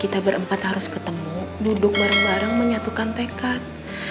kita berempat harus ketemu duduk bareng bareng menyatukan tekad